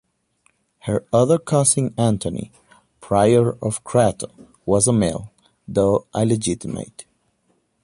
Her other cousin Anthony, Prior of Crato was a male, though illegitimate.